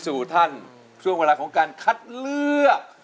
ทุกคนนี้ก็ส่งเสียงเชียร์ทางบ้านก็เชียร์